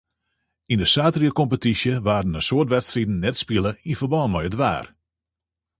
Yn de saterdeiskompetysje waarden in soad wedstriden net spile yn ferbân mei it waar.